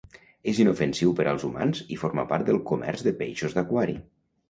És inofensiu per als humans i forma part del comerç de peixos d'aquari.